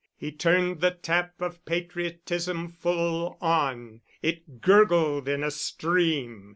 He turned the tap of patriotism full on; it gurgled in a stream.